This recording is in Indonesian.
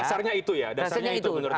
jadi dasarnya itu ya